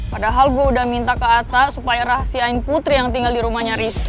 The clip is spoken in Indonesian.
padahal gue udah minta ke atta supaya rahasiain putri yang tinggal di rumahnya rizky